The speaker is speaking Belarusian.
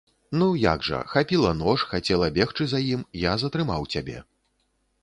Ну, як жа, хапіла нож, хацела бегчы за ім, я затрымаў цябе.